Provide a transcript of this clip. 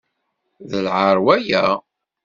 D lɛaṛ waya.